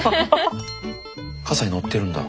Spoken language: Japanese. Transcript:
傘に乗ってるんだ。